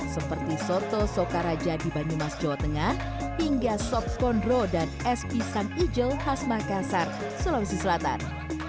seperti sorte sokaraja di banyumas jawa tengah hingga sop kondro dan es pisang ijel khas makassar sulawesi selatan